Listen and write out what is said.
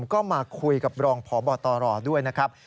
ก็มาคุยกับรองพบตรด้วยนะครับ